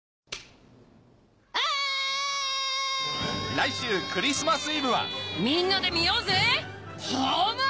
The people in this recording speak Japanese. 来週クリスマスイブはみんなで見ようぜ！